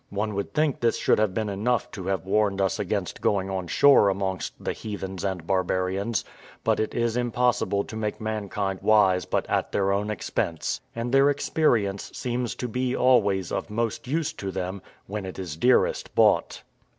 One would think this should have been enough to have warned us against going on shore amongst the heathens and barbarians; but it is impossible to make mankind wise but at their own expense, and their experience seems to be always of most use to them when it is dearest bought.